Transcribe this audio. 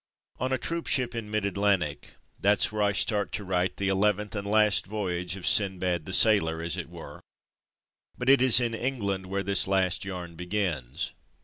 On a troopship in mid Atlantic — that's where T start to write "The Eleventh and Last Voyage of Sindbad the Sailor, '' as it were; but it is in England where this last yarn begins.